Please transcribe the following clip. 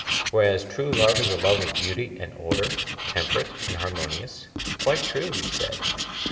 Whereas true love is a love of beauty and order—temperate and harmonious? Quite true, he said.